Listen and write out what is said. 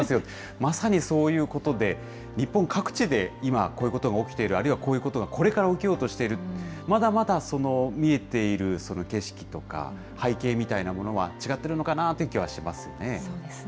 まさにそういうことで、日本各地で今、こういうことが起きている、あるいはこういうことがこれから起きようとしている、まだまだ見えている景色とか、背景みたいなものは違ってるのかなっていう気そうですね。